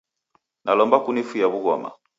Nalomba kunifuye w'ughoma.